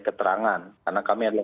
keterangan karena kami adalah